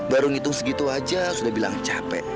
baru menghitung segitu saja sudah bilang capek